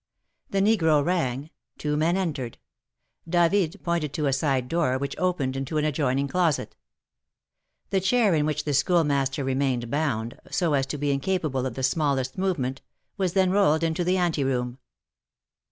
The negro rang; two men entered. David pointed to a side door, which opened into an adjoining closet. The chair in which the Schoolmaster remained bound, so as to be incapable of the smallest movement, was then rolled into the anteroom.